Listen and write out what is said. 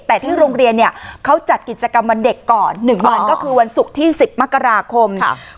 แต่ที่โรงเรียนเนี่ยเขาจัดกิจกรรมวันเด็กก่อน๑วันก็คือวันศุกร์ที่๑๐มกราคม